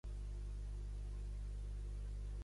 Orlikow era el fill de Louis Orlikow i Sarah Cherniack.